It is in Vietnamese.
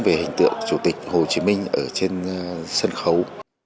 về hình tượng chủ tịch hồ chí minh ở trên sân khấu